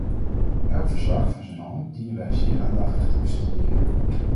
Elk verslag van zijn hand dienen wij zeer aandachtig te bestuderen.